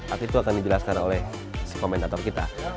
artis itu akan dijelaskan oleh si komentator kita